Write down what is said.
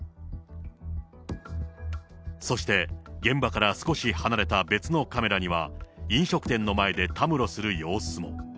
そして、現場から少し離れた別のカメラには、飲食店の前でたむろする様子も。